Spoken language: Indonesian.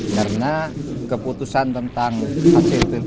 karena keputusan tentang hasil vipress itu